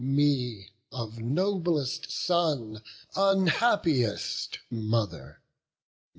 me, of noblest son Unhappiest mother!